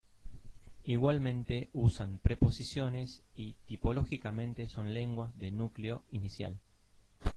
Igualmente usan preposiciones y tipológicamente son lenguas de núcleo inicial.